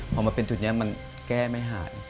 พอมาเป็นจุดนี้มันแก้ไม่หาย